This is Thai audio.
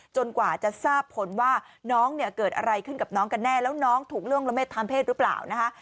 กว่าจะทราบผลว่าน้องเนี่ยเกิดอะไรขึ้นกับน้องกันแน่แล้วน้องถูกล่วงละเมิดทางเพศหรือเปล่านะคะ